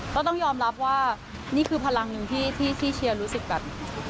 ต้องยอมรับว่านี่คือพลังหนึ่งที่เชียร์รู้สึกแบบ